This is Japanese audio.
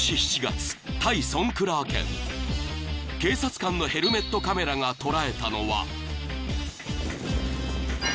［警察官のヘルメットカメラが捉えたのは］